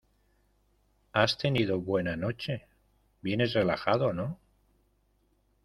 ¿ has tenido buena noche? vienes relajado, ¿ no ?